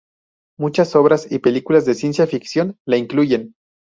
Muchas obras y películas de ciencia ficción la incluyen.